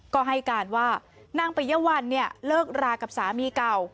ก็ให้การว่านางปริยวัลเนี่ยเลิกรากับสามีเก่า